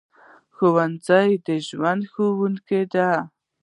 ښوونځی د ژوند ښوونځی دی